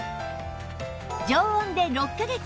常温で６カ月